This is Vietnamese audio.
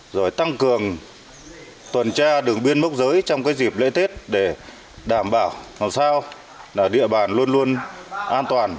rồi tăng cường tuần tra đường biên mốc giới trong cái dịp lễ tết để đảm bảo làm sao là địa bàn luôn luôn an toàn